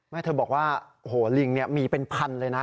เธอบอกว่าโอ้โหลิงเนี่ยมีเป็นพันเลยนะ